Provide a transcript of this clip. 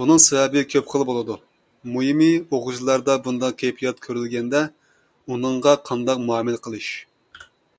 بۇنىڭ سەۋەبى كۆپ خىل بولىدۇ، مۇھىمى ئوقۇغۇچىلاردا بۇنداق كەيپىيات كۆرۈلگەندە، ئۇنىڭغا قانداق مۇئامىلە قىلىش.